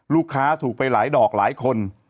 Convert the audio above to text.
ลูกค้าถูกไปหลายดอกหลายคน